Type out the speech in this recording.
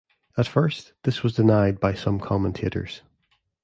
At first, this was denied by some commentators.